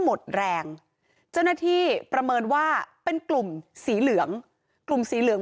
หมดแรงเจ้าหน้าที่ประเมินว่าเป็นกลุ่มสีเหลืองกลุ่มสีเหลือง